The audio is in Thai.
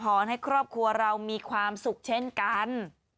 ให้ครอบครัวเรามีความสุขเช่นกัน